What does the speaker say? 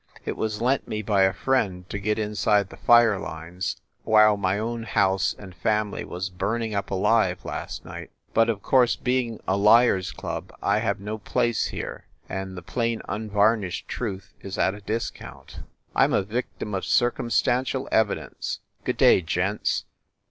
It was lent me by a friend to get inside the fire lines while my own house and family was burning up alive, last night. But of course, being a liars club, I have no place here, and the plain unvarnished truth is at a discount. I m a vic tim of circumstantial evidence. Good day, gents!